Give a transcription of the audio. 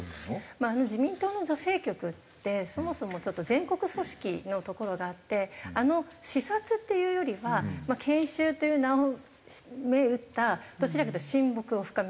まああの自民党の女性局ってそもそもちょっと全国組織のところがあってあの視察っていうよりは研修という名を銘打ったどちらかというと親睦を深める。